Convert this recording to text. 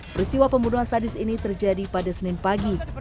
peristiwa pembunuhan sadis ini terjadi pada senin pagi